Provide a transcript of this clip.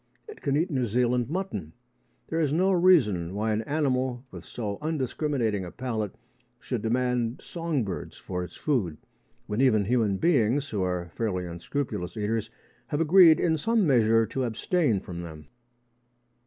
It can eat New Zealand mutton. There is no reason why an animal with so undiscriminating a palate should demand song birds for its food, when even human beings, who are fairly unscrupulous eaters, have agreed in some measure to abstain from them.